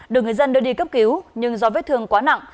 được người dân đưa đi cấp cứu nhưng do vết thương quá nặng